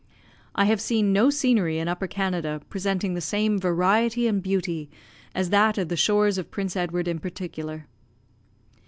I have seen no scenery in Upper Canada presenting the same variety and beauty as that of the shores of Prince Edward in particular.